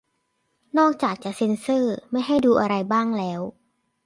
นอกจากจะเซ็นเซอร์ไม่ให้ดูอะไรบ้างแล้ว